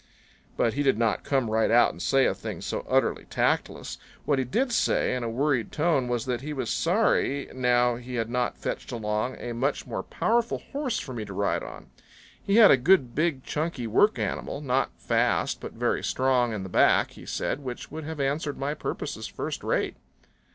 But he did not come right out and say a thing so utterly tactless. What he did say, in a worried tone, was that he was sorry now he had not fetched along a much more powerful horse for me to ride on. He had a good big chunky work animal, not fast but very strong in the back, he said, which would have answered my purposes first rate.